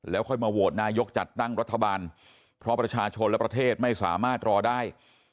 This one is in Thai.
ค่อยมาโหวตนายกจัดตั้งรัฐบาลเพราะประชาชนและประเทศไม่สามารถรอได้